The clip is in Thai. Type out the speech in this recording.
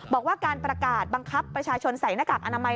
บอกว่าการประกาศบังคับประชาชนใส่หน้ากากอนามัย